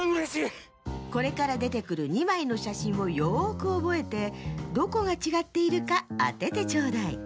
これからでてくる２まいのしゃしんをよくおぼえてどこがちがっているかあててちょうだい。